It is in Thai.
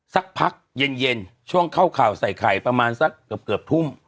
สักพักเย็นช่วงเข้าข่าวใส่ไข่ประมาณสักเกือบทุ่ม